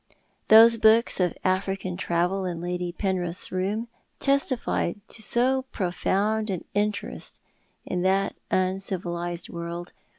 Those books of African travel in Lady Penrith's room testified to so profound an interest in that un civihsed world.